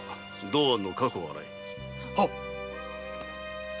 はっ！